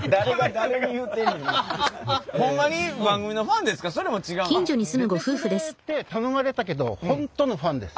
出てくれって頼まれたけど本当のファンです。